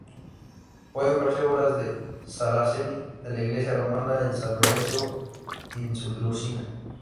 Pueden verse obras de Saraceni en la iglesia romana de San Lorenzo in Lucina.